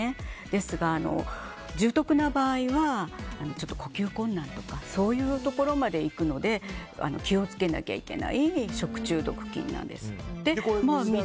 ですが、重篤な場合は呼吸困難とかそういうところまでいくので気をつけなきゃいけない食中毒菌なんです。